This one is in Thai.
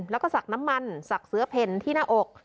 แล้วก็สักน้ำมันสักเสือเพ่นที่หน้าอก